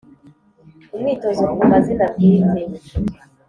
Umwitozo ku mazina bwite